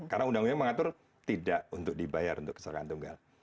karena undang undang mengatur tidak untuk dibayar untuk kecelakaan tunggal